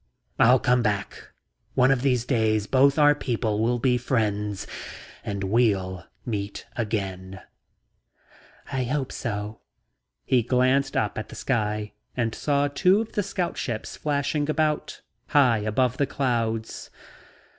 "I'll come back, Beth, I'll come back. One of these days both our people will be friends and we'll meet again." "I hope so." He glanced up at the sky and saw two of the scout ships flashing about, high above the clouds.